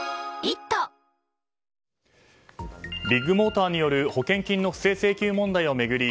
ビッグモーターによる保険金の不正請求問題を巡り